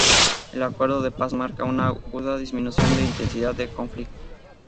El acuerdo de paz marca una aguda disminución de intensidad de conflict.